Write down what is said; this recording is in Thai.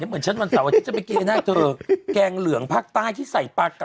เหมือนชั้นวันเสาร์ว่าจะไปกินเหนื่อยก๋วยังเหลืองผักใต้ที่ใส่ปลาเกา